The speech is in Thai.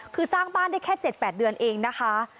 คือสร้างบ้านได้แค่๗๘เดือนเองนะคะ